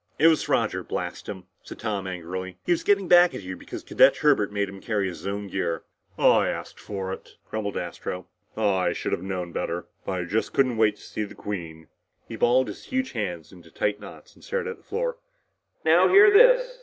"It was Roger, blast him!" said Tom angrily. "He was getting back at you because Cadet Herbert made him carry his own gear." "I asked for it," grumbled Astro. "Ah, I should've known better. But I just couldn't wait to see the Queen." He balled his huge hands into tight knots and stared at the floor. "Now hear this!!!"